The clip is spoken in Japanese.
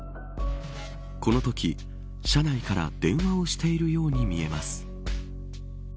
このとき車内から電話をしているように見えます。